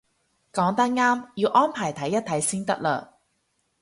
講得啱，要安排睇一睇先得嘞